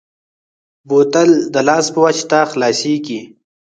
بوتل د لاس په واسطه خلاصېږي.